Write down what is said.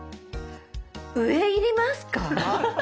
上要りますか？